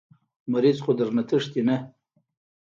مريض خو درنه تښتي نه.